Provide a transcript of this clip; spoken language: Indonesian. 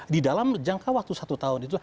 dan dalam jangka waktu satu tahun itu